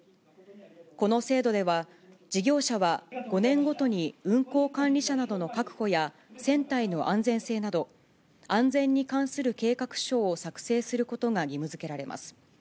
この制度では、事業者は５年ごとに運航管理者などの確保や船体の安全性など、安全に関する計画書を作成することが義務づけられます。